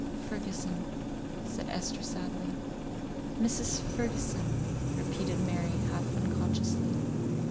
"Fergusson," said Esther, sadly. "Mrs. Fergusson," repeated Mary, half unconsciously.